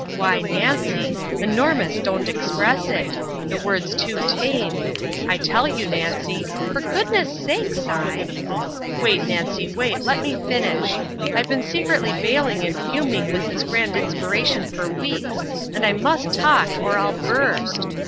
Why, Nancy, enormous don't express it the word's too tame! I tell your Nancy " "For goodness sake, Si " "Wait, Nancy, wait let me finish I've been secretly bailing and fuming with this grand inspiration for weeks, and I must talk or I'll burst!